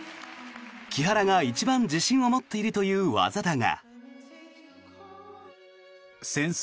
木原が一番自信を持っているという技だが。